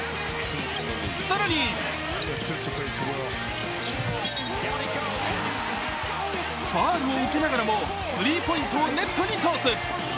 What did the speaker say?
更に、ファウルを受けながらもスリーポイントをネットに通す。